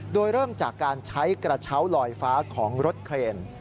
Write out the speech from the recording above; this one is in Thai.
โดยเริ่มจากการใช้กระเช้าลอยฟ้าของรถเครน